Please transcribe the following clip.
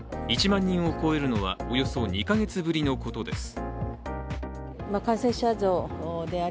１万人を超えるのはおよそ２か月ぶりのことです。